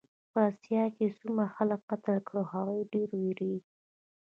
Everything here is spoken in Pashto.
په اسیا کې څومره خلک قتل کړې هغوی ډېر وېرېږي.